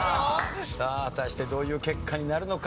さあ果たしてどういう結果になるのか？